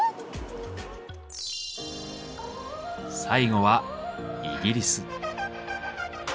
最後はイギリス。